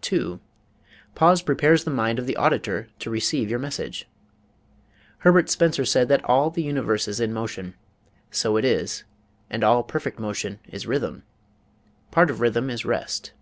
2. Pause Prepares the Mind of the Auditor to Receive Your Message Herbert Spencer said that all the universe is in motion. So it is and all perfect motion is rhythm. Part of rhythm is rest.